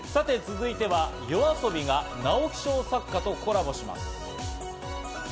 続いてはＹＯＡＳＯＢＩが直木賞作家とコラボします。